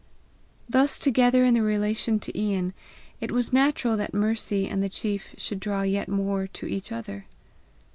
Thus together in their relation to Ian, it was natural that Mercy and the chief should draw yet more to each other.